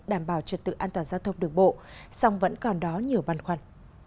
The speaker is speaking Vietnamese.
đảm bảo trật tự an toàn giao thông đường bộ song vẫn còn đó nhiều băn khoăn